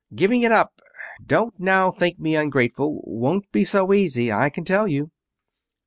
Giving it up don't now think me ungrateful won't be so easy, I can tell you."